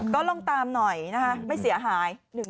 ก็ลองตามหน่อยนะคะไม่เสียหาย